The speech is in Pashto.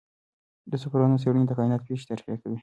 د سوپرنووا څېړنې د کائنات پېښې تشریح کوي.